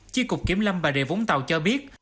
chiếc cục kiểm lâm bà đệ vũng tàu cho biết